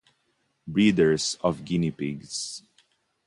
Breeders of Guinea-Pigs.